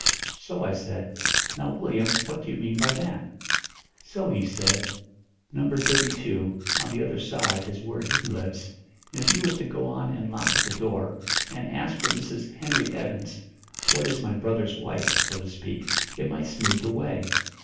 So I said, 'Now, Willyum, what do you mean by that?' So he said, 'No. 32, on the other side, is where he lives, and if you was to go on and knock at the door, and ask for Mrs. Henry Evans, what is my brother's wife, so to speak, it might smooth the way.'